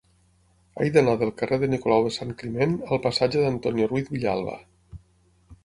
He d'anar del carrer de Nicolau de Sant Climent al passatge d'Antonio Ruiz Villalba.